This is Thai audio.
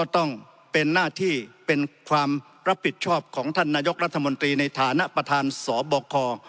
ต้องเป็นหน้าที่เป็นความรับผิดชอบของท่านนายกรัฐมนตรีในฐานะประธานสบค